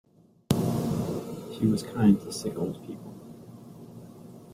She was kind to sick old people.